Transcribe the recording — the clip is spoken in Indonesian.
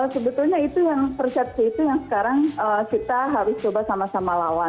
sebetulnya itu yang persepsi itu yang sekarang kita harus coba sama sama lawan